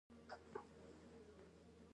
د انسان شخصیت هم همدغسې وده کوي.